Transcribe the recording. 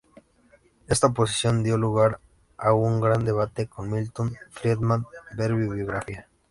Esta posición dio lugar a un gran debate con Milton Friedman, ver bibliografía.